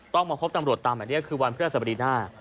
ต้องมาพบตำรวจตามแบบนี้คือวันพฤษบดีหน้า